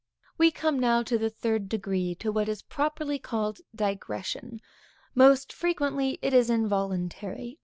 We now come to the third degree, to what is properly called digression; most frequently it is involuntary.